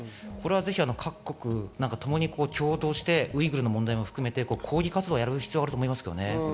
各国ともに共闘してウイグルの問題含めて抗議活動をやる必要があると思います。